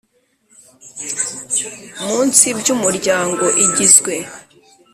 Munsi by umuryango igizwe